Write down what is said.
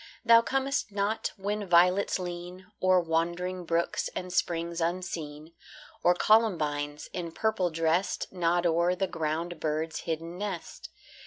Thou comest not when violets lean O'er wandering brooks and springs unseen, Or columbines, in purple dressed, Nod o'er the ground bird's hidden nest.